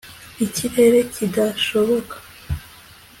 Ikirere kidashoboka